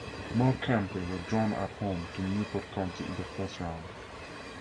Morecambe were drawn at home to Newport County in the first round.